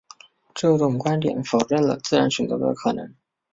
这种观点否认了自然选择的可能。